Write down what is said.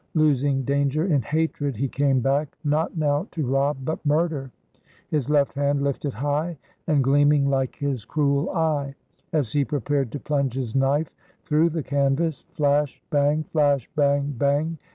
Losing danger in hatred he came back, not now to rob, but murder, his left hand lifted high and gleaming like his cruel eye. As he prepared to plunge his knife through the canvas, flash bang! flash bang! bang!